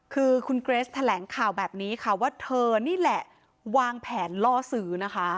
คือคุณเกรสแถลงข่าวแบบนี้ค่ะว่าเธอนี่แหละวางแผนล่อซื้อนะคะ